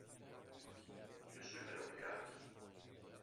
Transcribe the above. Ποιος σου είπε να την κάνεις;